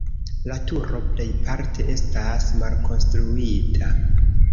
La turo plejparte estas malkonstruita.